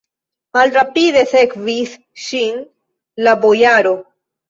Malrapide sekvis ŝin la bojaro.